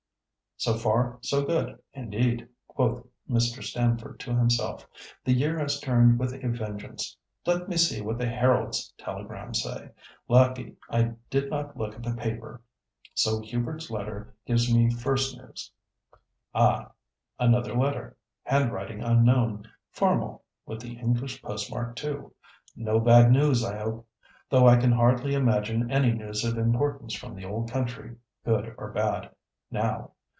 "So far, so good, indeed," quoth Mr. Stamford to himself. "The year has turned with a vengeance. Let me see what the Herald's telegrams say. Lucky I did not look at the paper. So Hubert's letter gives me first news. Ah! another letter. Handwriting unknown, formal, with the English postmark, too. No bad news, I hope. Though I can hardly imagine any news of importance from the old country, good or bad, now.